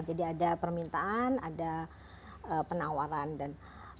jadi ada permintaan ada penawaran dan